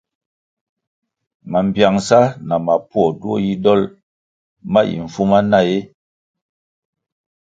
Mambpiangsa na mapuo duo yi dol ma yi mfumana ee ?